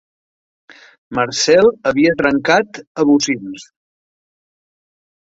Marcel havia trencat a bocins.